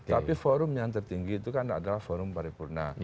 tapi forum yang tertinggi itu kan adalah forum paripurna